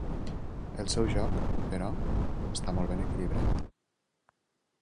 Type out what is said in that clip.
El seu joc, però, està molt ben equilibrat.